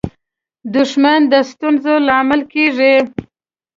• دښمني د ستونزو لامل کېږي.